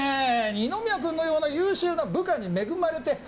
二宮君のような優秀な部下に恵まれて。